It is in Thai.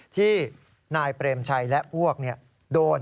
ที่นายเปรมชัยและพวกโดน